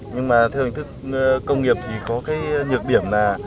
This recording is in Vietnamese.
nhưng mà theo hình thức công nghiệp thì có cái nhược điểm là